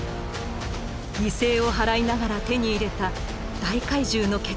犠牲を払いながら手に入れた大海獣の血液。